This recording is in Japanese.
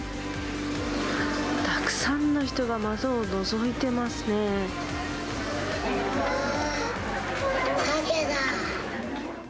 たくさんの人が窓をのぞいてうわー。